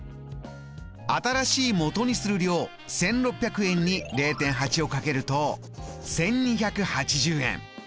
新しいもとにする量１６００円に０．８を掛けると１２８０円。